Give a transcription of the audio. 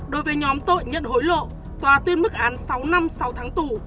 đối với nhóm tội nhận hối lộ tòa tuyên mức án sáu năm sáu tháng tù